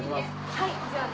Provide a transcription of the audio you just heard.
はい。